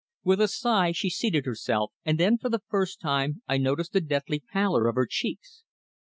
With a sigh she seated herself, and then for the first time I noticed the deathly pallor of her cheeks.